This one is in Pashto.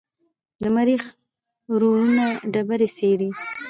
د مریخ روورونه ډبرې څېړي.